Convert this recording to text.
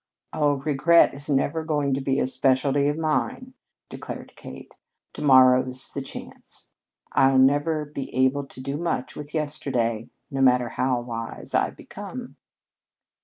"Oh, regret is never going to be a specialty of mine," declared Kate. "To morrow's the chance! I shall never be able to do much with yesterday, no matter how wise I become."